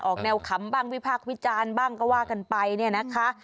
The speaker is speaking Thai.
ออกแนวขำบ้างวิพากษ์วิจารณ์บ้างก็ว่ากันไปเนี่ยนะคะ